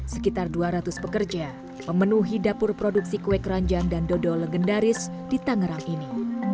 sekitar dua ratus pekerja memenuhi dapur produksi kue keranjang dan dodol legendaris di tangerang ini